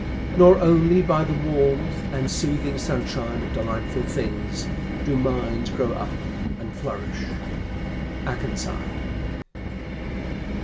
"Nor only by the warmth And soothing sunshine of delightful things, Do minds grow up and flourish." AKENSIDE.